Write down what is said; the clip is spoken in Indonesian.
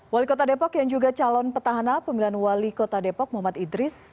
wali kota depok yang juga calon petahana pemilihan wali kota depok muhammad idris